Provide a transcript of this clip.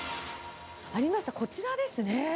ありました、こちらですね。